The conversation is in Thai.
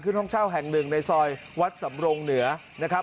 ห้องเช่าแห่งหนึ่งในซอยวัดสำรงเหนือนะครับ